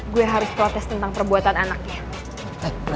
gue harus protes tentang perbuatan anaknya